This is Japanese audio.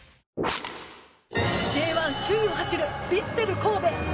Ｊリーグ首位を走るヴィッセル神戸。